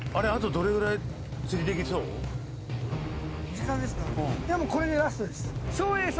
時間ですか？